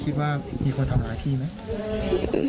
คิดว่ามีคนทำร้ายพี่ไหม